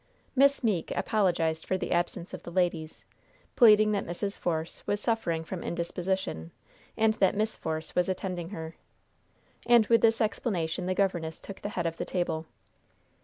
Miss Meeke apologized for the absence of the ladies, pleading that Mrs. Force was suffering from indisposition, and that Miss Force was attending her; and with this explanation the governess took the head of the table.